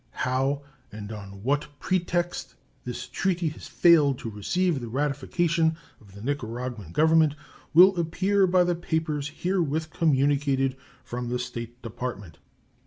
How and on what pretext this treaty has failed to receive the ratification of the Nicaraguan Government will appear by the papers herewith communicated from the State Department.